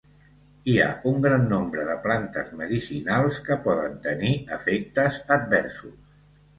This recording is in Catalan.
Hi ha un gran nombre de plantes medicinals que poden tenir efectes adversos.